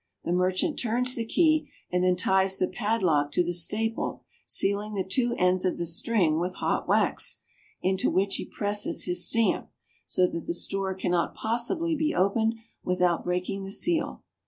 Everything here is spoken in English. The merchant turns the key and then ties the padlock to the staple, sealing the two ends of the string with hot wax, into which he presses his stamp, so that the store cannot possibly be opened with out breaking the seal.